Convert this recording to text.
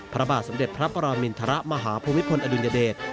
พระบาทสมเด็จพระปรมินทรมาฮภูมิพลอดุลยเดช